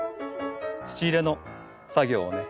土入れの作業をね